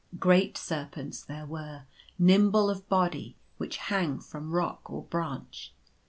Great serpents there were, nimble of body, which hang from rock or branch.